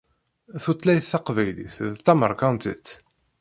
Tutlayt taqbaylit d tameṛkantit!